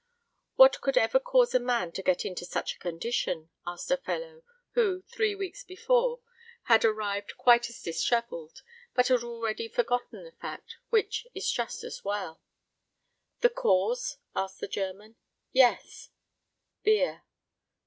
"What could ever cause a man to get into such a condition?" asked a fellow, who, three weeks before, had arrived quite as dishevelled, but had already forgotten the fact, which is just as well. "The cause?" asked the German. "Yes." "Beer."